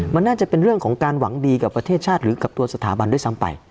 มันน่าจะเป็นเรื่องของการหวังดีกับประเทศชาติหรือกับตัวสถาบันด้วยซ้ำไป